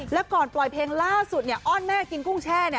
แล้วก่อนปล่อยเพลงล่าสุดเนี่ยอ้อนแม่กินกุ้งแช่